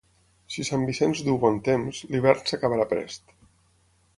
Si Sant Vicenç duu bon temps, l'hivern s'acabarà prest.